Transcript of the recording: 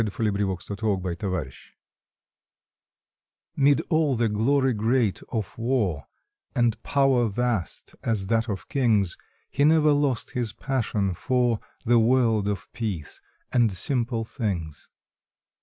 February Twenty first WASHINGTON 'lVflD all the glory great of war, And power vast as that of Kings He never lost his passion for The world of peace and simple things.